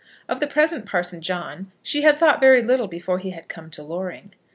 Of the present Parson John she had thought very little before he had come to Loring.